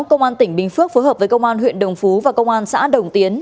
công an tỉnh bình phước phối hợp với công an huyện đồng phú và công an xã đồng tiến